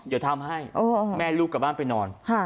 เดี๋ยวทำให้แม่ลูกกลับบ้านไปนอน